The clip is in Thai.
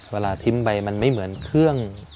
เวลาทิ้มไปมันไม่เหมือนเครื่อง